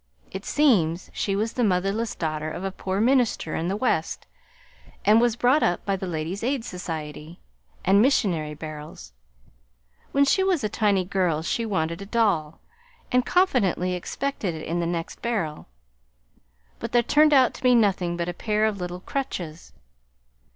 It seems she was the motherless daughter of a poor minister in the West, and was brought up by the Ladies' Aid Society and missionary barrels. When she was a tiny girl she wanted a doll, and confidently expected it in the next barrel; but there turned out to be nothing but a pair of little crutches.